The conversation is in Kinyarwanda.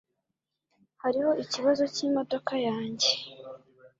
Hariho ikibazo cyimodoka yanjye.